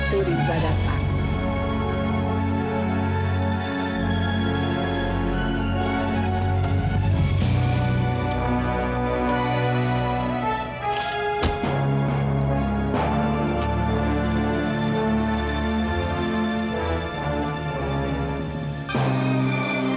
sebentar lagi datang